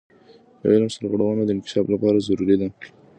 د علم سرغړونه د انکشاف لپاره ضروري ده.